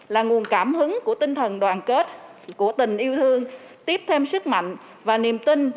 là nguồn cảm hứng của tinh thần đoàn kết của tình yêu thương tiếp thêm sức mạnh và niềm tin